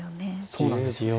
そうなんですよね。